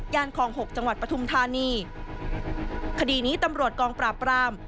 คลองหกจังหวัดปฐุมธานีคดีนี้ตำรวจกองปราบราม